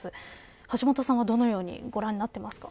橋下さんはどのようにご覧になってますか。